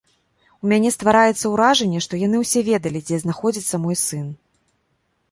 У мяне ствараецца ўражанне, што яны ўсе ведалі, дзе знаходзіцца мой сын.